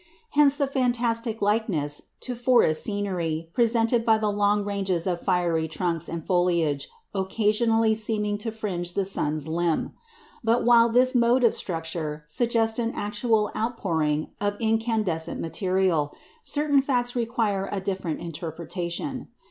Hence the fantastic likeness to forest scenery presented by the long ranges of fiery trunks and foliage occasionally seeming to fringe the sun's limb. But while this mode of structure suggests an actual outpouring of incandescent material, certain facts require a different interpretation.